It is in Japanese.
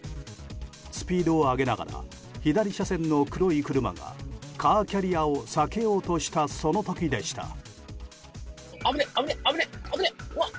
スピードを上げながら左車線の黒い車がカーキャリアを避けようとしたその時でした。